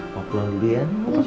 mau pulang dulu ya